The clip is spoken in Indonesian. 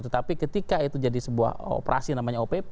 tetapi ketika itu jadi sebuah operasi namanya opp